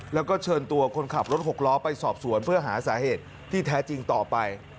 แล้วก็เชิญตัวคนขับรถหกล้อไปสอบสวนเพื่อหาสาเหตุที่แท้จริงต่อไป